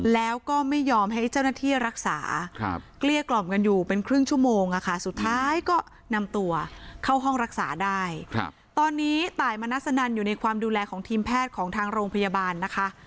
ต้อนี้ตายมานักสนันอยู่ในความดูแลของทีมแพทย์ของทางโรงพยาบาลนะคะ